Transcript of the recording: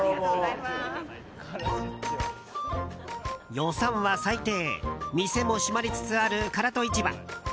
予算は最低店も閉まりつつある唐戸市場。